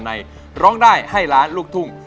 ร้องได้ให้ล้านลูกทุ่ง